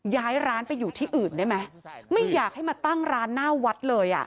ย้ายร้านไปอยู่ที่อื่นได้ไหมไม่อยากให้มาตั้งร้านหน้าวัดเลยอ่ะ